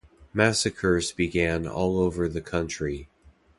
Massacres began all over the country.